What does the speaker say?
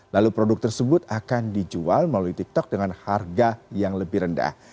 lalu produk tersebut akan dijual melalui tiktok dengan harga yang lebih rendah